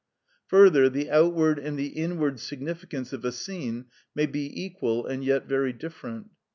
Further, the outward and the inward significance of a scene may be equal and yet very different.